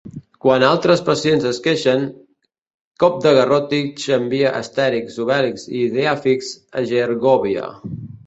Quan altres pacients es queixen, Copdegarròtix envia Astèrix, Obèlix i Ideafix a Gergòvia.